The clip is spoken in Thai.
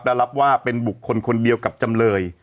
และรับว่าเป็นบุคคลคนเดียวกับจำเลย